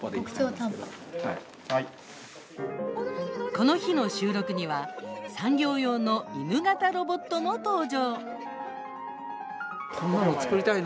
この日の収録には産業用の犬型ロボットも登場。